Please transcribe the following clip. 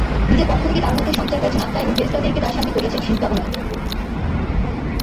নিজের পক্ষ থেকে তার মধ্যে সঞ্চার করেছেন আত্মা এবং ফেরেশতাদেরকে তার সামনে করিয়েছেন সিজদাবনত।